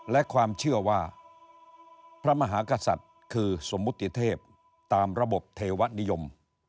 และความเชื่อว่าพระมหากษัตริย์คือสมมุติเทพตามระบบเทวนิยม